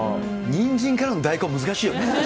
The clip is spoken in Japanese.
にんじんからの大根、難しいよね。